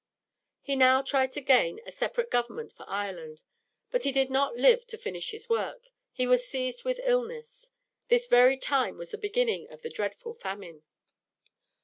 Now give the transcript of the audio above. He now tried to gain a separate government for Ireland. But he did not live to finish his work. He was seized with illness. This very time was the beginning of the dreadful famine.